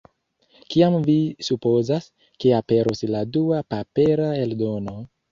Kiam vi supozas, ke aperos la dua papera eldono?